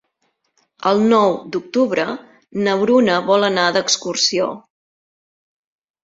El nou d'octubre na Bruna vol anar d'excursió.